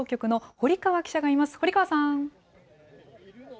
堀川さん。